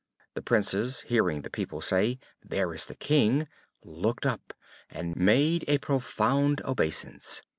The Princes, hearing the people say, "There is the King," looked up, and made a profound obeisance.